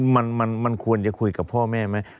มันควรจะคุยกับพ่อแม่ไหม